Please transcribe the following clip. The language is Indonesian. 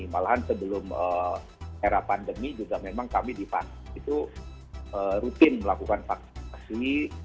malahan sebelum era pandemi juga memang kami di vaksin itu rutin melakukan vaksinasi